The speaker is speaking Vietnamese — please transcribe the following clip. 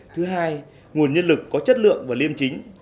thứ hai nguồn nhân lực có chất lượng và liêm chính